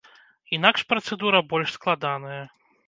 Інакш працэдура больш складаная.